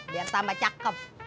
biar tambah cakep